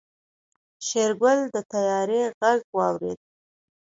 شېرګل د طيارې غږ واورېد.